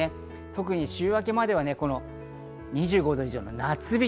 特に週明けまでは２５度以上の夏日。